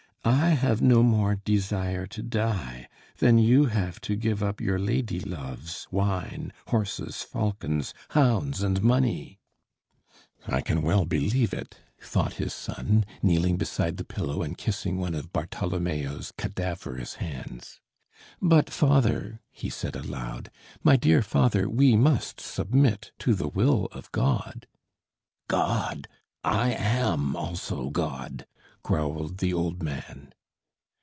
"I have no more desire to die than you have to give up your lady loves, wine, horses, falcons, hounds and money " "I can well believe it," thought his son, kneeling beside the pillow and kissing one of Bartholomeo's cadaverous hands. "But, father," he said aloud, "my dear father, we must submit to the will of God!" "God! I am also God!" growled the old man.